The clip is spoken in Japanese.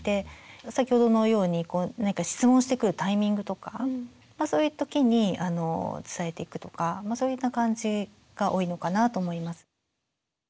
先ほどのように質問してくるタイミングとかそういう時に伝えていくとかそういった感じが多いのかなと思います。